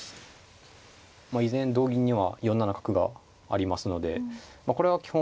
まあ依然同銀には４七角がありますのでまあこれは基本